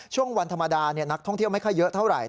ช่วงวันธรรมดานักท่องเที่ยวไม่ค่อยเยอะเท่าไหร